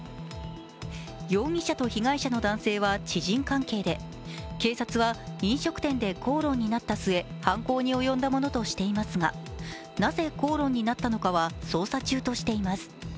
容疑者と被害者の男性は知人関係で警察は飲食店で口論になった末、犯行に及んだものとしていますがなぜ口論になったのかは捜査中としています。